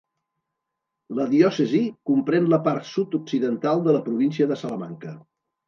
La diòcesi comprèn la part sud-occidental de la província de Salamanca.